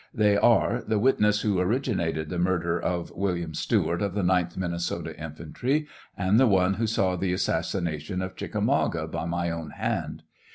They are, the witness who originated the murder of William Stewart, of the 9th Minnesota infantry, and the one who saw the assassination of Chickamauga by my own hand.